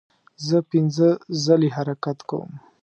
زه پنځه ځلې حرکت کوم.